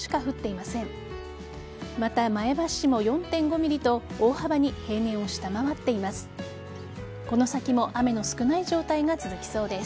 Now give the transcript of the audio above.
また前橋市も４．５ｍｍと大幅に平年を下回っています。